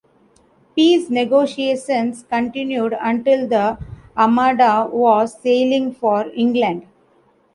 Peace negotiations continued until the Armada was sailing for England.